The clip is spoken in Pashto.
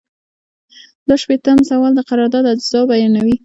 دوه شپیتم سوال د قرارداد اجزا بیانوي.